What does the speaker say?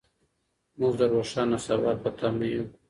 موږ د روښانه سبا په تمه یو.